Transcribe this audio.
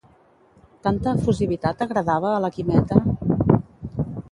Tanta efusivitat agradava a la Quimeta?